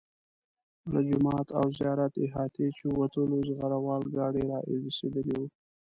له جومات او زیارت احاطې چې ووتلو زغره وال ګاډي را رسېدلي وو.